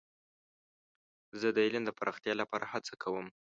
زه د علم د پراختیا لپاره هڅه کوم.